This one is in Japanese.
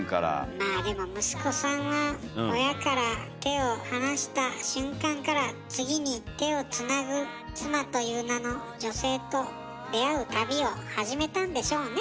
まあでも息子さんは親から手を離した瞬間から次に手をつなぐ妻という名の女性と出会う旅を始めたんでしょうね。